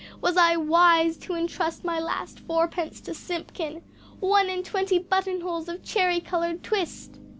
Was I wise to entrust my last fourpence to Simpkin? One and twenty button holes of cherry coloured twist!"